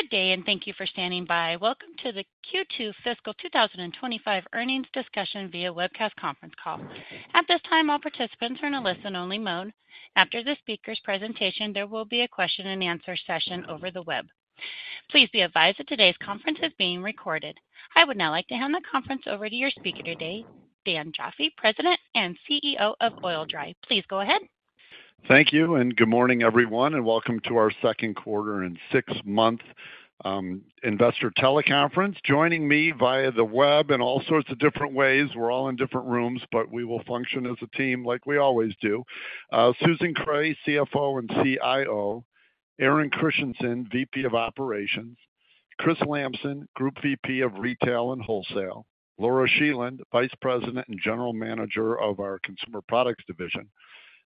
Good day, and thank you for standing by. Welcome to the Q2 Fiscal 2025earnings discussion via Webcast conference call. At this time, all participants are in a listen-only mode. After the speaker's presentation, there will be a question-and-answer session over the web. Please be advised that today's conference is being recorded. I would now like to hand the conference over to your speaker today, Dan Jaffee, President and CEO of Oil-Dri. Please go ahead. Thank you, and good morning, everyone, and welcome to our second quarter and six-month investor teleconference. Joining me via the web in all sorts of different ways, we're all in different rooms, but we will function as a team like we always do. Susan Kreh, CFO and CIO; Aaron Christiansen, VP of Operations; Chris Lamson, Group VP of Retail and Wholesale; Laura Scheland, Vice President and General Manager of our Consumer Products Division;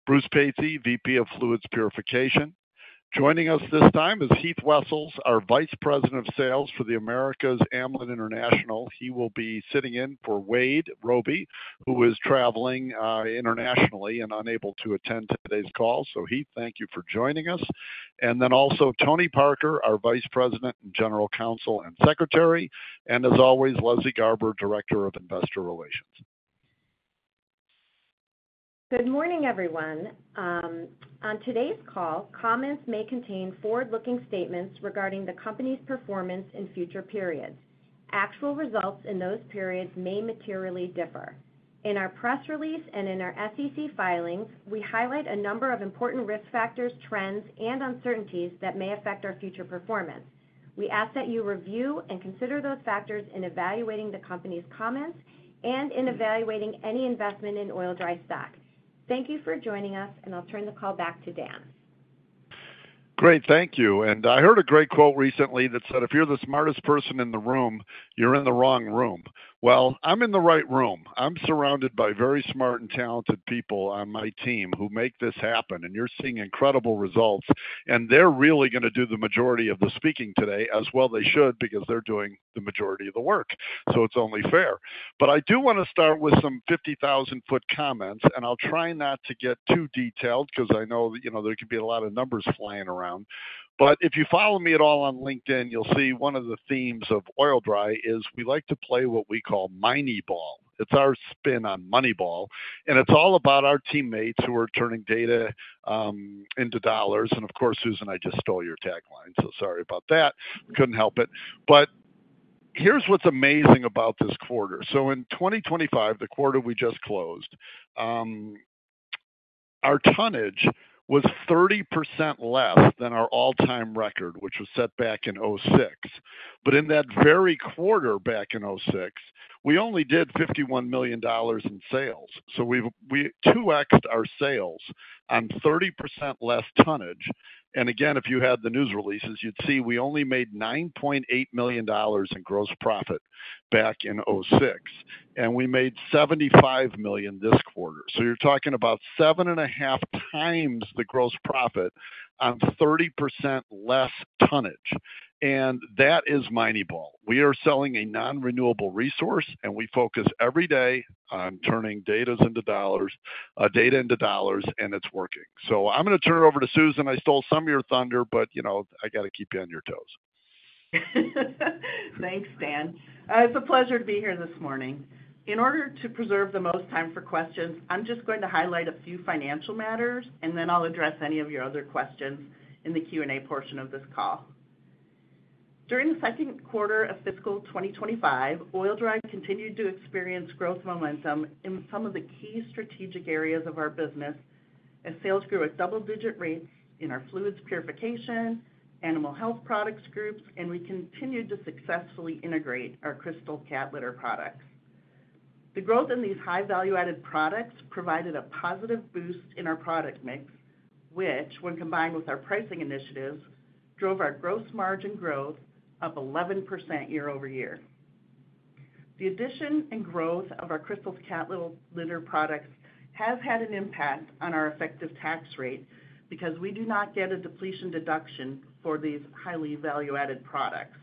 Bruce Patsey, VP of Fluids Purification. Joining us this time is Heath Wessels, our Vice President of Sales for the Americas, Amlan International. He will be sitting in for Wade Robey, who is traveling internationally and unable to attend today's call. Heath, thank you for joining us. Also Tony Parker, our Vice President and General Counsel and Secretary, and as always, Leslie Garber, Director of Investor Relations. Good morning, everyone. On today's call, comments may contain forward-looking statements regarding the company's performance in future periods. Actual results in those periods may materially differ. In our press release and in our SEC filings, we highlight a number of important risk factors, trends, and uncertainties that may affect our future performance. We ask that you review and consider those factors in evaluating the company's comments and in evaluating any investment in Oil-Dri stock. Thank you for joining us, and I'll turn the call back to Dan. Great, thank you. I heard a great quote recently that said, "If you're the smartest person in the room, you're in the wrong room." I'm in the right room. I'm surrounded by very smart and talented people on my team who make this happen, and you're seeing incredible results. They're really going to do the majority of the speaking today, as well they should, because they're doing the majority of the work. It's only fair. I do want to start with some 50,000-foot comments, and I'll try not to get too detailed because I know there could be a lot of numbers flying around. If you follow me at all on LinkedIn, you'll see one of the themes of Oil-Dri is we like to play what we call Mineyball. It's our spin on Moneyball, and it's all about our teammates who are turning data into dollars. And of course, Susan, I just stole your tagline, so sorry about that. I couldn't help it. Here's what's amazing about this quarter. In 2025, the quarter we just closed, our tonnage was 30% less than our all-time record, which was set back in 2006. In that very quarter back in 2006, we only did $51 million in sales. We 2x-ed our sales on 30% less tonnage. If you had the news releases, you'd see we only made $9.8 million in gross profit back in 2006, and we made $75 million this quarter. You're talking about seven and a half times the gross profit on 30% less tonnage. That is Mineyball. We are selling a non-renewable resource, and we focus every day on turning data into dollars, data into dollars, and it's working. I'm going to turn it over to Susan. I stole some of your thunder, but I got to keep you on your toes. Thanks, Dan. It's a pleasure to be here this morning. In order to preserve the most time for questions, I'm just going to highlight a few financial matters, and then I'll address any of your other questions in the Q&A portion of this call. During the second quarter of fiscal 2025, Oil-Dri continued to experience growth momentum in some of the key strategic areas of our business, as sales grew at double-digit rates in our fluids purification, animal health products groups, and we continued to successfully integrate our crystal cat litter products. The growth in these high-value-added products provided a positive boost in our product mix, which, when combined with our pricing initiatives, drove our gross margin growth up 11% year-over-year. The addition and growth of our crystal cat litter products has had an impact on our effective tax rate because we do not get a depletion deduction for these highly value-added products.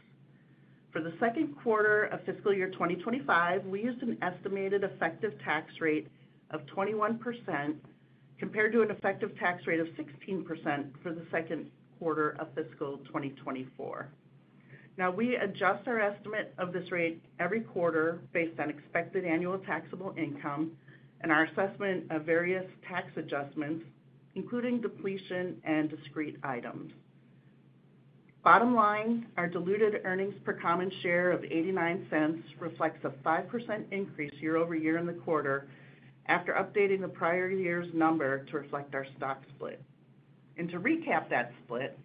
For the second quarter of fiscal year 2025, we used an estimated effective tax rate of 21% compared to an effective tax rate of 16% for the second quarter of fiscal 2024. Now, we adjust our estimate of this rate every quarter based on expected annual taxable income and our assessment of various tax adjustments, including depletion and discrete items. Bottom line, our diluted earnings per common share of $0.89 reflects a 5% increase year-over-year in the quarter after updating the prior year's number to reflect our stock split. To recap that split,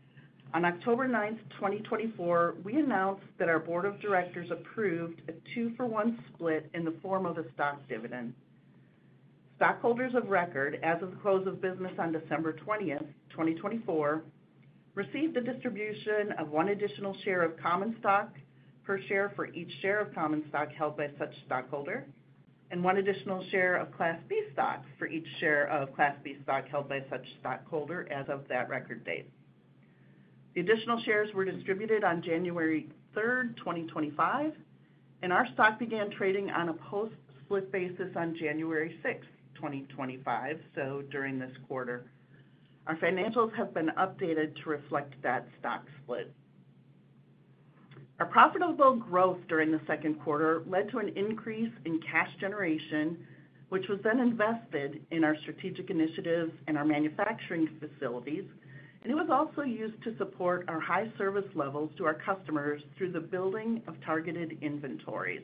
on October 9th, 2024, we announced that our board of directors approved a two-for-one split in the form of a stock dividend. Stockholders of record, as of the close of business on December 20th, 2024, received the distribution of one additional share of common stock per share for each share of common stock held by such stockholder, and one additional share of Class B stock for each share of Class B stock held by such stockholder as of that record date. The additional shares were distributed on January 3rd, 2025, and our stock began trading on a post-split basis on January 6th, 2025, during this quarter. Our financials have been updated to reflect that stock split. Our profitable growth during the second quarter led to an increase in cash generation, which was then invested in our strategic initiatives and our manufacturing facilities, and it was also used to support our high-service levels to our customers through the building of targeted inventories.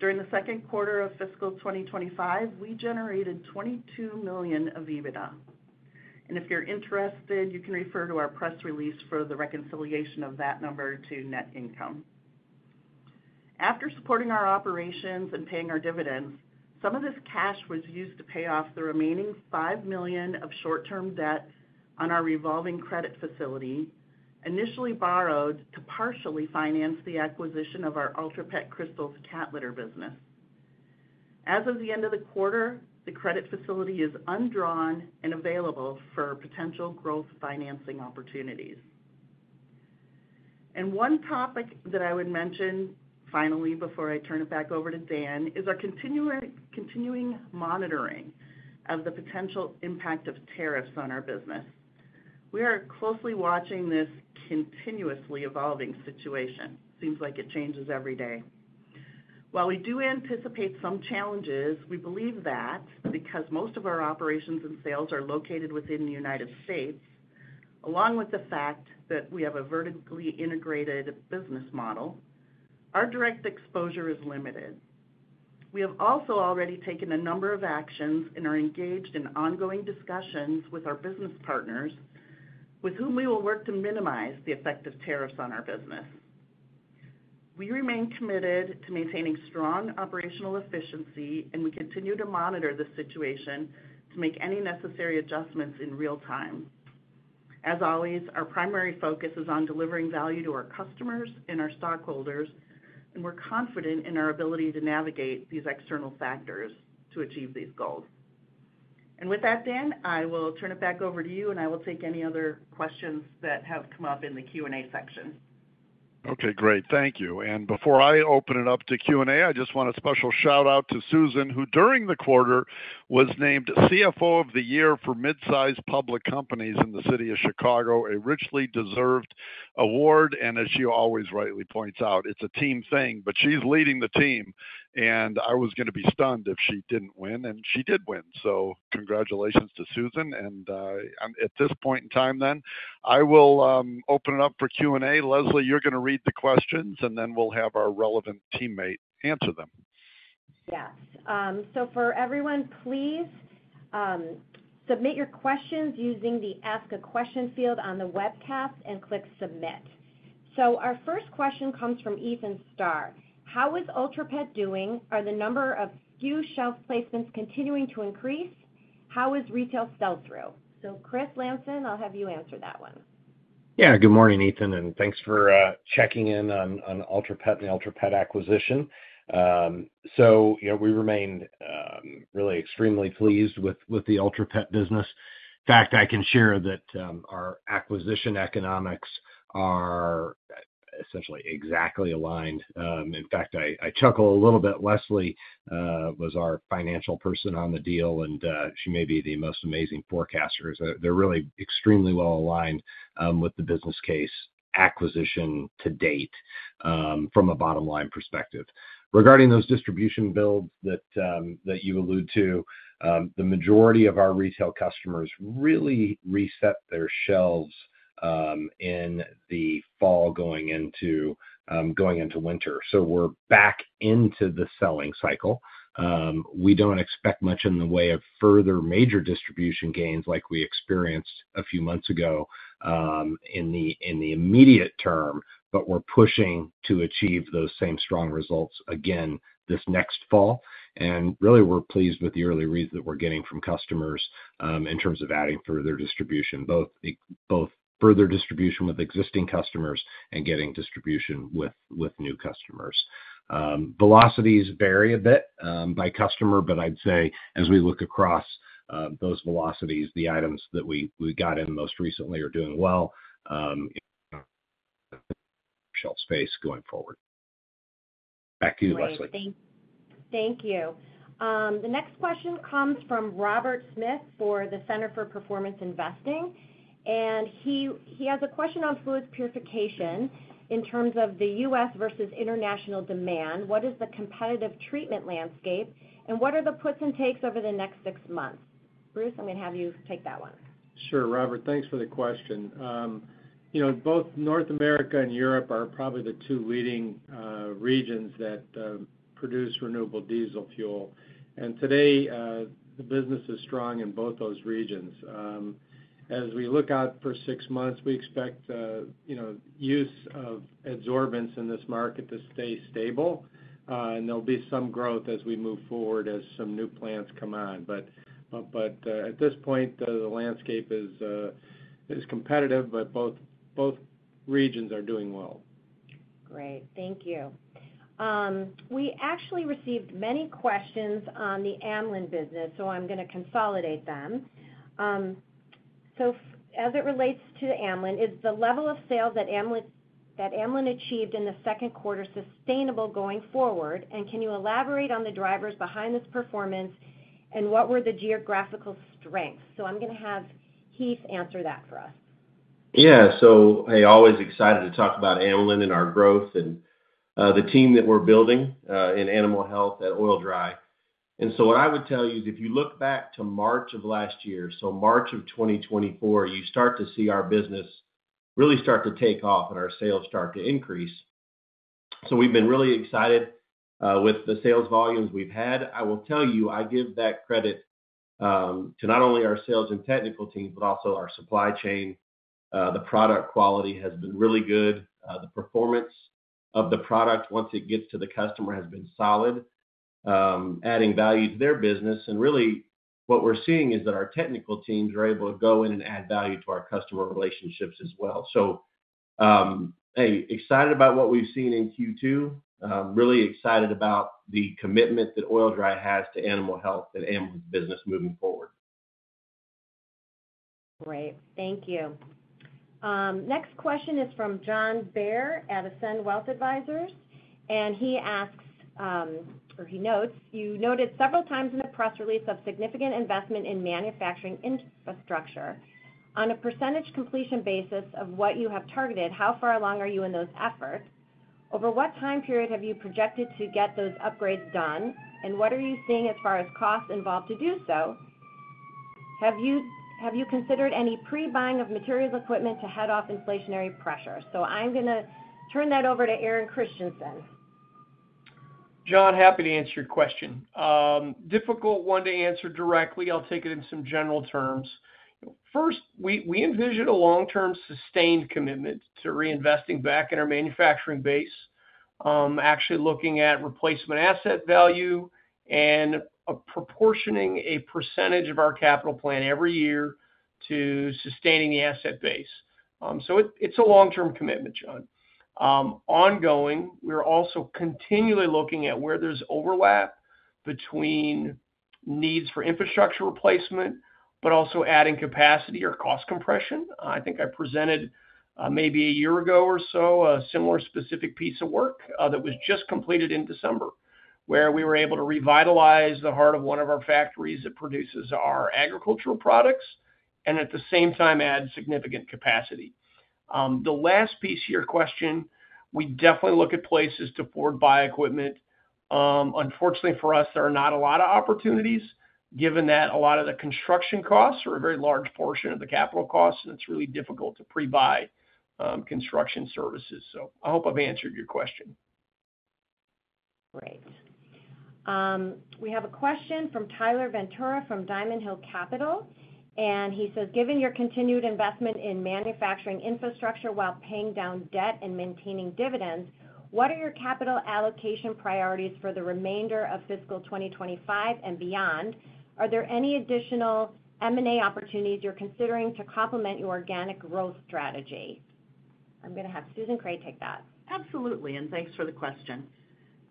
During the second quarter of fiscal 2025, we generated $22 million of EBITDA. If you're interested, you can refer to our press release for the reconciliation of that number to net income. After supporting our operations and paying our dividends, some of this cash was used to pay off the remaining $5 million of short-term debt on our revolving credit facility, initially borrowed to partially finance the acquisition of our Ultra Pet crystals cat litter business. As of the end of the quarter, the credit facility is undrawn and available for potential growth financing opportunities. One topic that I would mention finally before I turn it back over to Dan is our continuing monitoring of the potential impact of tariffs on our business. We are closely watching this continuously evolving situation. It seems like it changes every day. While we do anticipate some challenges, we believe that because most of our operations and sales are located within the United States, along with the fact that we have a vertically integrated business model, our direct exposure is limited. We have also already taken a number of actions and are engaged in ongoing discussions with our business partners, with whom we will work to minimize the effect of tariffs on our business. We remain committed to maintaining strong operational efficiency, and we continue to monitor the situation to make any necessary adjustments in real time. As always, our primary focus is on delivering value to our customers and our stockholders, and we're confident in our ability to navigate these external factors to achieve these goals. With that, Dan, I will turn it back over to you, and I will take any other questions that have come up in the Q&A section. Okay, great. Thank you. Before I open it up to Q&A, I just want a special shout-out to Susan, who during the quarter was named CFO of the year for mid-sized public companies in the City of Chicago, a richly deserved award. As she always rightly points out, it's a team thing, but she's leading the team, and I was going to be stunned if she didn't win, and she did win. Congratulations to Susan. At this point in time, I will open it up for Q&A. Leslie, you're going to read the questions, and then we'll have our relevant teammate answer them. Yes. For everyone, please submit your questions using the Ask a Question field on the webcast and click submit. Our first question comes from Ethan Star. How is Ultra Pet doing? Are the number of new shelf placements continuing to increase? How is retail sell-through? Chris Lamson, I'll have you answer that one. Yeah, good morning, Ethan, and thanks for checking in on Ultra Pet and the Ultra Pet acquisition. We remain really extremely pleased with the Ultra Pet business. In fact, I can share that our acquisition economics are essentially exactly aligned. I chuckle a little bit. Leslie was our financial person on the deal, and she may be the most amazing forecaster. They are really extremely well aligned with the business case acquisition to date from a bottom-line perspective. Regarding those distribution builds that you allude to, the majority of our retail customers really reset their shelves in the fall, going into winter. We are back into the selling cycle. We do not expect much in the way of further major distribution gains like we experienced a few months ago in the immediate term, but we are pushing to achieve those same strong results again this next fall. We are pleased with the early reads that we are getting from customers in terms of adding further distribution, both further distribution with existing customers and getting distribution with new customers. Velocities vary a bit by customer, but I would say as we look across those velocities, the items that we got in most recently are doing well in shelf space going forward. Back to you, Leslie. Thank you. The next question comes from Robert Smith for the Center for Performance Investing. He has a question on fluids purification in terms of the U.S. versus international demand. What is the competitive treatment landscape, and what are the puts and takes over the next six months? Bruce, I'm going to have you take that one. Sure, Robert. Thanks for the question. Both North America and Europe are probably the two leading regions that produce renewable diesel fuel. Today, the business is strong in both those regions. As we look out for six months, we expect use of adsorbents in this market to stay stable, and there'll be some growth as we move forward as some new plants come on. At this point, the landscape is competitive, but both regions are doing well. Great. Thank you. We actually received many questions on the Amlan business, so I'm going to consolidate them. As it relates to Amlan, is the level of sales that Amlan achieved in the second quarter sustainable going forward? Can you elaborate on the drivers behind this performance, and what were the geographical strengths? I'm going to have Heath answer that for us. Yeah. Always excited to talk about Amlan and our growth and the team that we're building in animal health at Oil-Dri. What I would tell you is if you look back to March of last year, so March of 2024, you start to see our business really start to take off and our sales start to increase. We've been really excited with the sales volumes we've had. I will tell you, I give that credit to not only our sales and technical teams, but also our supply chain. The product quality has been really good. The performance of the product once it gets to the customer has been solid, adding value to their business. Really, what we're seeing is that our technical teams are able to go in and add value to our customer relationships as well. Excited about what we've seen in Q2, really excited about the commitment that Oil-Dri has to animal health and Amlan's business moving forward. Great. Thank you. Next question is from John Bair at Ascend Wealth Advisors. He asks, or he notes, you noted several times in the press release of significant investment in manufacturing infrastructure. On a percentage completion basis of what you have targeted, how far along are you in those efforts? Over what time period have you projected to get those upgrades done, and what are you seeing as far as costs involved to do so? Have you considered any pre-buying of materials equipment to head off inflationary pressure? I am going to turn that over to Aaron Christiansen. John, happy to answer your question. Difficult one to answer directly. I'll take it in some general terms. First, we envision a long-term, sustained commitment to reinvesting back in our manufacturing base, actually looking at replacement asset value and proportioning a percentage of our capital plan every year to sustaining the asset base. It is a long-term commitment, John. Ongoing, we're also continually looking at where there's overlap between needs for infrastructure replacement, but also adding capacity or cost compression. I think I presented maybe a year ago or so a similar specific piece of work that was just completed in December, where we were able to revitalize the heart of one of our factories that produces our agricultural products, and at the same time add significant capacity. The last piece of your question, we definitely look at places to forward-buy equipment. Unfortunately for us, there are not a lot of opportunities given that a lot of the construction costs are a very large portion of the capital costs, and it's really difficult to pre-buy construction services. I hope I've answered your question. Great. We have a question from Tyler Ventura from Diamond Hill Capital. He says, "Given your continued investment in manufacturing infrastructure while paying down debt and maintaining dividends, what are your capital allocation priorities for the remainder of fiscal 2025 and beyond? Are there any additional M&A opportunities you're considering to complement your organic growth strategy?" I'm going to have Susan Kreh take that. Absolutely. Thanks for the question.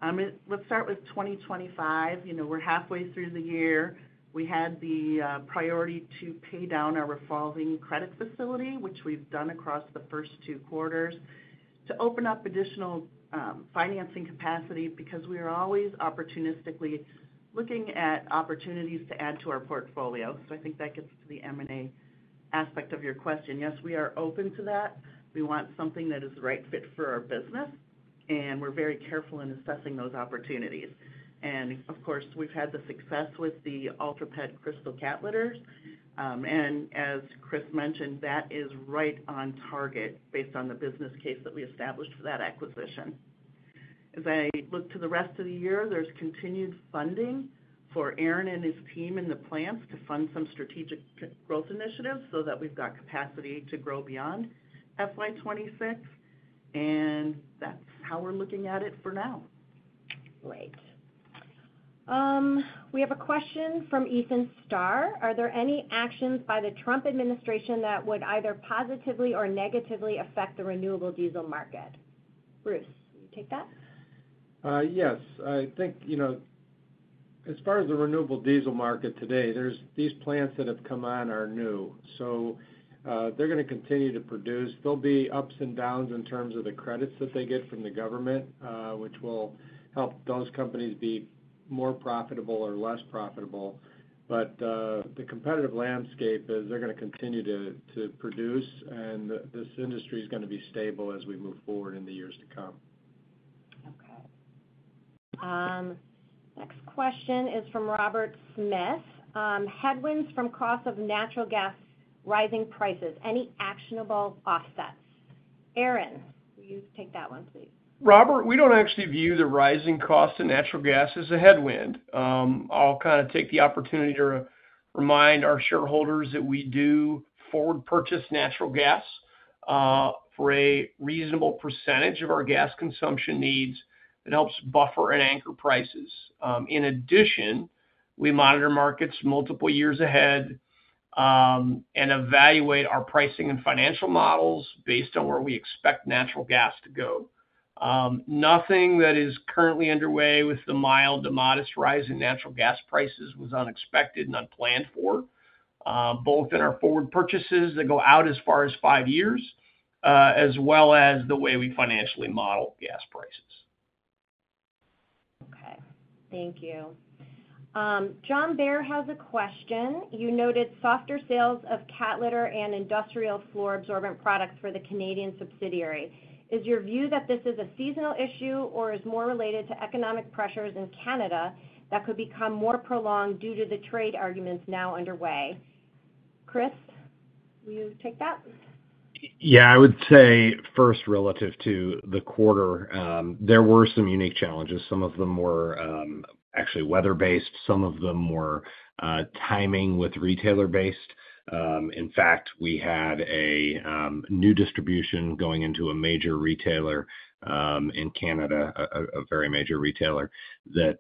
Let's start with 2025. We're halfway through the year. We had the priority to pay down our revolving credit facility, which we've done across the first two quarters, to open up additional financing capacity because we are always opportunistically looking at opportunities to add to our portfolio. I think that gets to the M&A aspect of your question. Yes, we are open to that. We want something that is the right fit for our business, and we're very careful in assessing those opportunities. Of course, we've had the success with the Ultra Pet crystal cat litters. As Chris mentioned, that is right on target based on the business case that we established for that acquisition. As I look to the rest of the year, there's continued funding for Aaron and his team in the plants to fund some strategic growth initiatives so that we've got capacity to grow beyond FY 2026. That's how we're looking at it for now. Great. We have a question from Ethan Star. Are there any actions by the Trump administration that would either positively or negatively affect the renewable diesel market? Bruce, will you take that? Yes. I think as far as the renewable diesel market today, these plants that have come on are new. They are going to continue to produce. There will be ups and downs in terms of the credits that they get from the government, which will help those companies be more profitable or less profitable. The competitive landscape is they are going to continue to produce, and this industry is going to be stable as we move forward in the years to come. Okay. Next question is from Robert Smith. Headwinds from cost of natural gas rising prices. Any actionable offsets? Aaron, will you take that one, please? Robert, we do not actually view the rising cost of natural gas as a headwind. I will kind of take the opportunity to remind our shareholders that we do forward purchase natural gas for a reasonable percentage of our gas consumption needs. It helps buffer and anchor prices. In addition, we monitor markets multiple years ahead and evaluate our pricing and financial models based on where we expect natural gas to go. Nothing that is currently underway with the mild to modest rise in natural gas prices was unexpected and unplanned for, both in our forward purchases that go out as far as five years, as well as the way we financially model gas prices. Okay. Thank you. John Bair has a question. You noted softer sales of cat litter and industrial floor absorbent products for the Canadian subsidiary. Is your view that this is a seasonal issue, or is it more related to economic pressures in Canada that could become more prolonged due to the trade arguments now underway? Chris, will you take that? Yeah. I would say first, relative to the quarter, there were some unique challenges. Some of them were actually weather-based. Some of them were timing with retailer-based. In fact, we had a new distribution going into a major retailer in Canada, a very major retailer that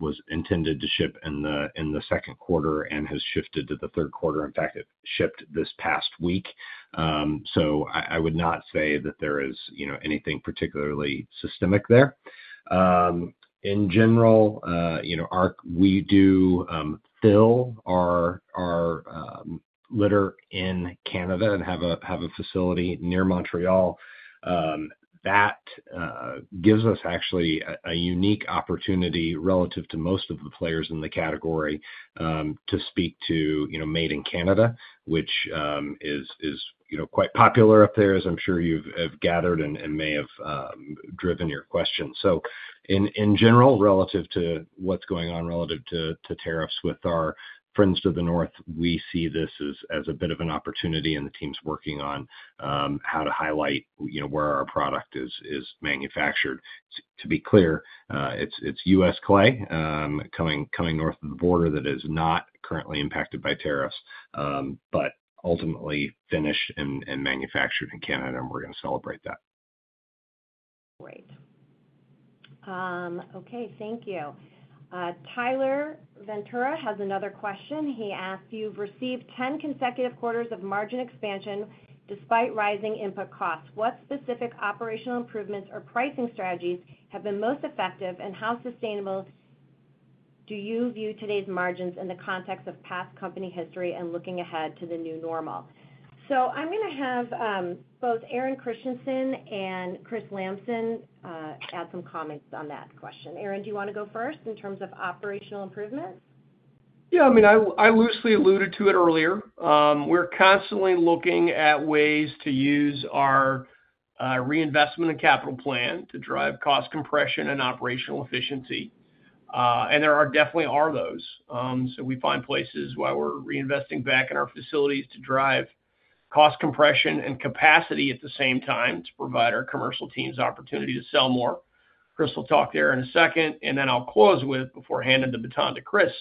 was intended to ship in the second quarter and has shifted to the third quarter. In fact, it shipped this past week. I would not say that there is anything particularly systemic there. In general, we do fill our litter in Canada and have a facility near Montreal. That gives us actually a unique opportunity relative to most of the players in the category to speak to made in Canada, which is quite popular up there, as I'm sure you've gathered and may have driven your question. In general, relative to what's going on relative to tariffs with our friends to the north, we see this as a bit of an opportunity, and the team's working on how to highlight where our product is manufactured. To be clear, it's U.S. clay coming north of the border that is not currently impacted by tariffs, but ultimately finished and manufactured in Canada, and we're going to celebrate that. Great. Okay. Thank you. Tyler Ventura has another question. He asked, "You've received 10 consecutive quarters of margin expansion despite rising input costs. What specific operational improvements or pricing strategies have been most effective, and how sustainable do you view today's margins in the context of past company history and looking ahead to the new normal?" I am going to have both Aaron Christiansen and Chris Lamson add some comments on that question. Aaron, do you want to go first in terms of operational improvements? Yeah. I mean, I loosely alluded to it earlier. We're constantly looking at ways to use our reinvestment and capital plan to drive cost compression and operational efficiency. There definitely are those. We find places where we're reinvesting back in our facilities to drive cost compression and capacity at the same time to provide our commercial teams opportunity to sell more. Chris will talk there in a second. I'll close with, before handing the baton to Chris,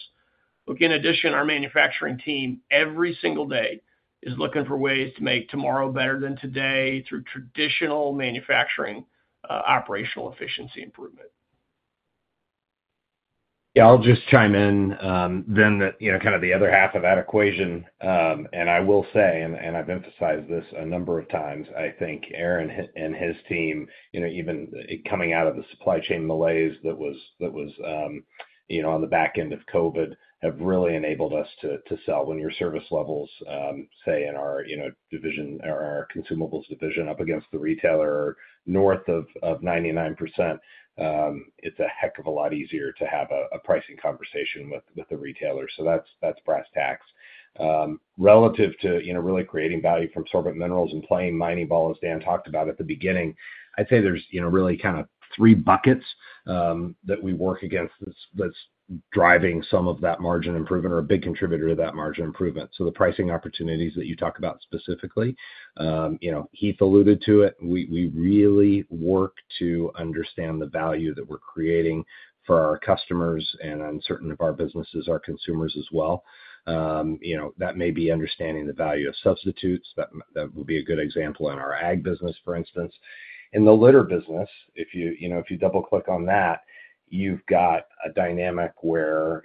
look, in addition, our manufacturing team every single day is looking for ways to make tomorrow better than today through traditional manufacturing operational efficiency improvement. Yeah. I'll just chime in then that kind of the other half of that equation. I will say, and I've emphasized this a number of times, I think Aaron and his team, even coming out of the supply chain malaise that was on the back end of COVID, have really enabled us to sell. When your service levels, say, in our consumables division up against the retailer north of 99%, it's a heck of a lot easier to have a pricing conversation with the retailer. That's brass tacks. Relative to really creating value from sorbent minerals and playing mining ball, as Dan talked about at the beginning, I'd say there's really kind of three buckets that we work against that's driving some of that margin improvement or a big contributor to that margin improvement. The pricing opportunities that you talk about specifically, Heath alluded to it. We really work to understand the value that we're creating for our customers and certain of our businesses, our consumers as well. That may be understanding the value of substitutes. That would be a good example in our ag business, for instance. In the litter business, if you double-click on that, you've got a dynamic where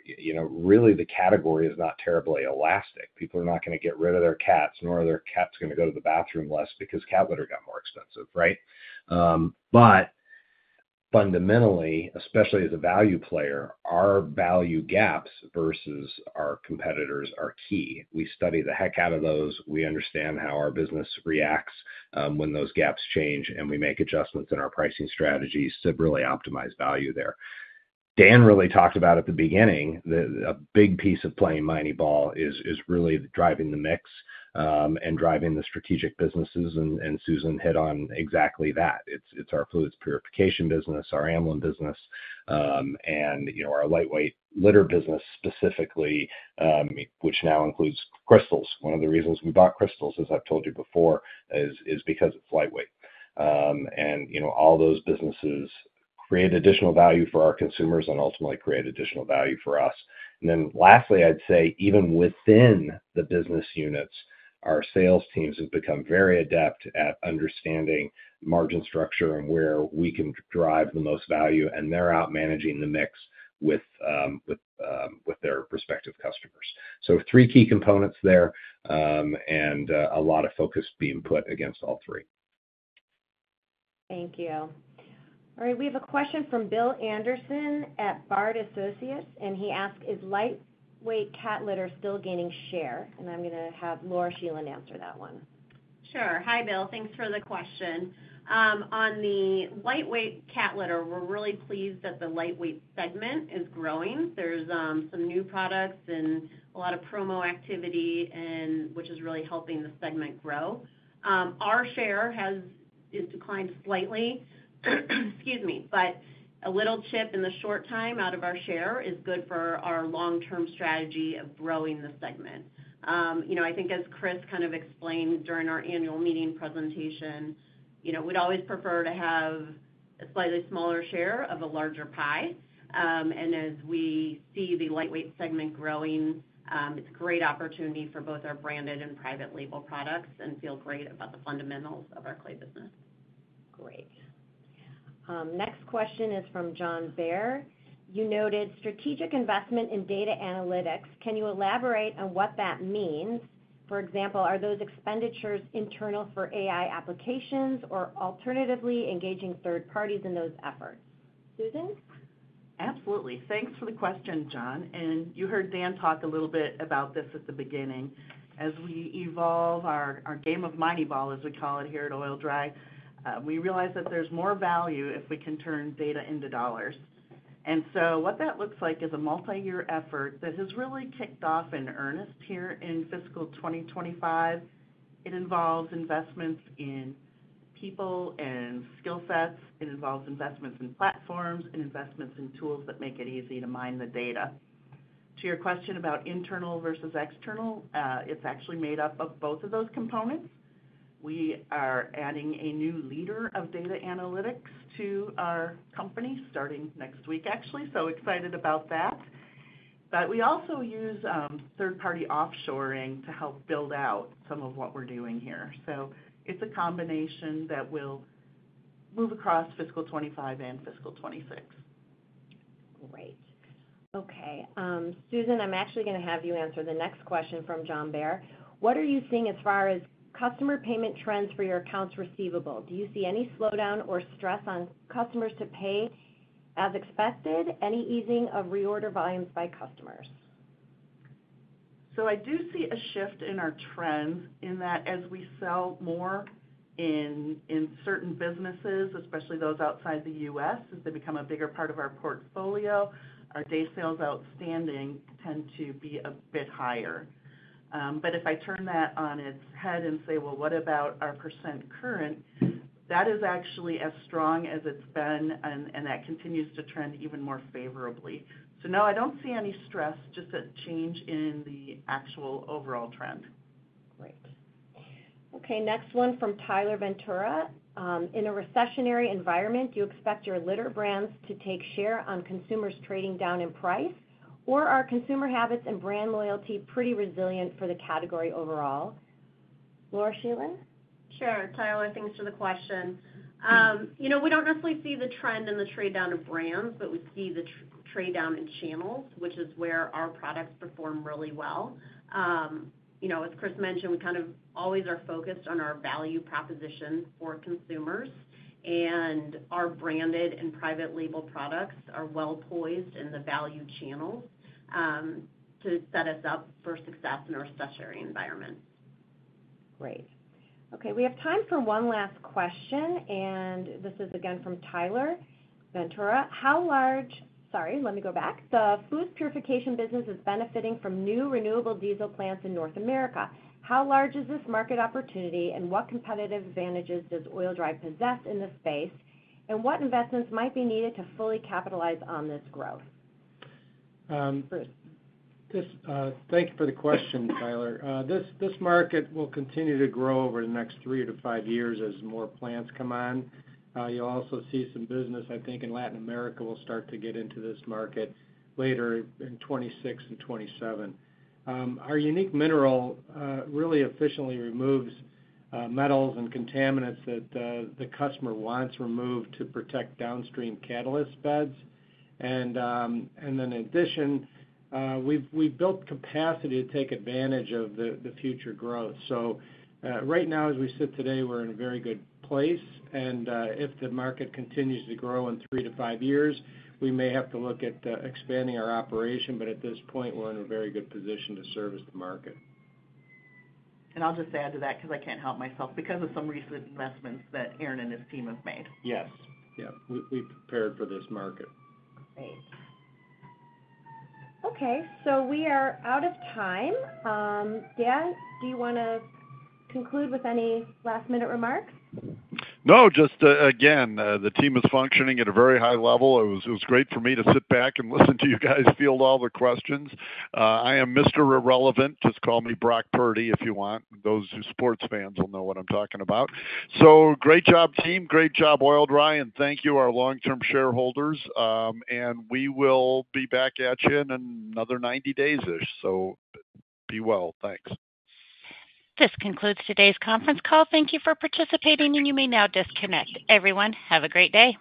really the category is not terribly elastic. People are not going to get rid of their cats, nor are their cats going to go to the bathroom less because cat litter got more expensive, right? Fundamentally, especially as a value player, our value gaps versus our competitors are key. We study the heck out of those. We understand how our business reacts when those gaps change, and we make adjustments in our pricing strategies to really optimize value there. Dan really talked about at the beginning that a big piece of playing Mineyball is really driving the mix and driving the strategic businesses. Susan hit on exactly that. It is our fluids purification business, our Amlan business, and our lightweight litter business specifically, which now includes crystals. One of the reasons we bought crystals, as I have told you before, is because it is lightweight. All those businesses create additional value for our consumers and ultimately create additional value for us. Lastly, I would say even within the business units, our sales teams have become very adept at understanding margin structure and where we can drive the most value, and they are out managing the mix with their prospective customers. Three key components there and a lot of focus being put against all three. Thank you. All right. We have a question from Bill Anderson at Bard Associates. He asked, "Is lightweight cat litter still gaining share?" I am going to have Laura Scheland answer that one. Sure. Hi, Bill. Thanks for the question. On the lightweight cat litter, we're really pleased that the lightweight segment is growing. There's some new products and a lot of promo activity, which is really helping the segment grow. Our share has declined slightly. Excuse me. A little chip in the short time out of our share is good for our long-term strategy of growing the segment. I think as Chris kind of explained during our annual meeting presentation, we'd always prefer to have a slightly smaller share of a larger pie. As we see the lightweight segment growing, it's a great opportunity for both our branded and private label products and feel great about the fundamentals of our clay business. Great. Next question is from John Bair. You noted, "Strategic investment in data analytics. Can you elaborate on what that means? For example, are those expenditures internal for AI applications or alternatively engaging third parties in those efforts?" Susan? Absolutely. Thanks for the question, John. You heard Dan talk a little bit about this at the beginning. As we evolve our game of mining ball, as we call it here at Oil-Dri, we realize that there's more value if we can turn data into dollars. What that looks like is a multi-year effort that has really kicked off in earnest here in fiscal 2025. It involves investments in people and skill sets. It involves investments in platforms and investments in tools that make it easy to mine the data. To your question about internal versus external, it's actually made up of both of those components. We are adding a new leader of data analytics to our company starting next week, actually. Excited about that. We also use third-party offshoring to help build out some of what we're doing here. It is a combination that will move across fiscal 2025 and fiscal 2026. Great. Okay. Susan, I'm actually going to have you answer the next question from John Bair. What are you seeing as far as customer payment trends for your accounts receivable? Do you see any slowdown or stress on customers to pay as expected? Any easing of reorder volumes by customers? I do see a shift in our trends in that as we sell more in certain businesses, especially those outside the U.S., as they become a bigger part of our portfolio, our day sales outstanding tend to be a bit higher. If I turn that on its head and say, "What about our percent current?" that is actually as strong as it's been, and that continues to trend even more favorably. I don't see any stress, just a change in the actual overall trend. Great. Okay. Next one from Tyler Ventura. In a recessionary environment, do you expect your litter brands to take share on consumers trading down in price, or are consumer habits and brand loyalty pretty resilient for the category overall? Laura Scheland? Sure. Tyler, thanks for the question. We do not necessarily see the trend in the trade down of brands, but we see the trade down in channels, which is where our products perform really well. As Chris mentioned, we kind of always are focused on our value proposition for consumers. Our branded and private label products are well-poised in the value channels to set us up for success in our recessionary environment. Great. Okay. We have time for one last question. This is again from Tyler Ventura. Sorry, let me go back. The fluids purification business is benefiting from new renewable diesel plants in North America. How large is this market opportunity, and what competitive advantages does Oil-Dri possess in this space, and what investments might be needed to fully capitalize on this growth? Thank you for the question, Tyler. This market will continue to grow over the next three to five years as more plants come on. You'll also see some business, I think, in Latin America will start to get into this market later in 2026 and 2027. Our unique mineral really efficiently removes metals and contaminants that the customer wants removed to protect downstream catalyst beds. In addition, we've built capacity to take advantage of the future growth. Right now, as we sit today, we're in a very good place. If the market continues to grow in three to five years, we may have to look at expanding our operation. At this point, we're in a very good position to service the market. I will just add to that because I can't help myself, because of some recent investments that Aaron and his team have made. Yes. Yeah. We prepared for this market. Great. Okay. We are out of time. Dan, do you want to conclude with any last-minute remarks? No, just again, the team is functioning at a very high level. It was great for me to sit back and listen to you guys field all the questions. I am Mr. Irrelevant. Just call me Brock Purdy if you want. Those who are sports fans will know what I'm talking about. Great job, team. Great job, Oil-Dri. Thank you, our long-term shareholders. We will be back at you in another 90 days-ish. So, be well. Thanks. This concludes today's conference call. Thank you for participating, and you may now disconnect. Everyone, have a great day.